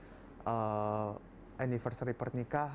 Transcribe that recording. perayaan festival musim gugur